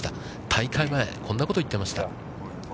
大会前、こんなこと言ってました。